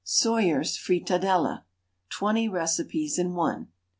SOYER'S FRITADELLA (twenty recipes in one).